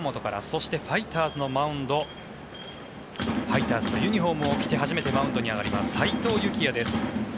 そしてファイターズのマウンドファイターズのユニホームを着て初めてマウンドに上がります齋藤友貴哉です。